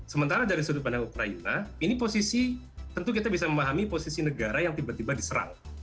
sementara dari sudut pandang ukraina ini posisi tentu kita bisa memahami posisi negara yang tiba tiba diserang